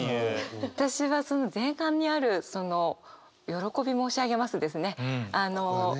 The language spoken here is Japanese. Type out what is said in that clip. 私はその前半にあるその「喜び申し上げます」ですね。